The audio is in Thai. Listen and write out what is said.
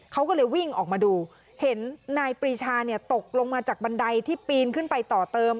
เขาก็เลยวิ่งออกมาดูเห็นนายปรีชาตกลงมาจากบันไดที่ปีนขึ้นไปต่อเติม